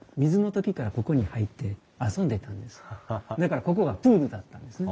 だからここはプールだったんですね。